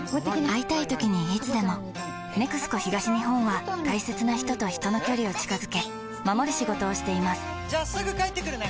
会いたいときにいつでも「ＮＥＸＣＯ東日本」は大切な人と人の距離を近づけ守る仕事をしていますじゃあすぐ帰ってくるね！